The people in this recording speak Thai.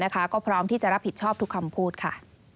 ก็พร้อมที่จะรับผิดชอบทุกคำพูดค่ะ